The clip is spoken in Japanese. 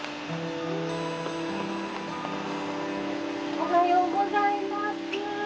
おはようございます。